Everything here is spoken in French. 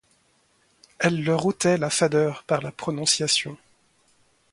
Elle leur ôtait la fadeur par la prononciation.